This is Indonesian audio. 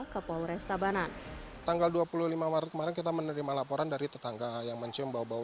ke polres tabanan tanggal dua puluh lima maret kemarin kita menerima laporan dari tetangga yang mencium bau bau